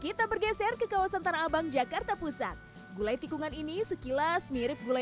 kita bergeser ke kawasan tanah abang jakarta pusat gulai tikungan ini sekilas mirip gulai